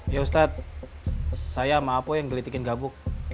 ya ustadz saya sama apo yang menggelitiki dapu